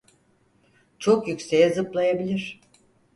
Çok yükseğe zıplayabilir.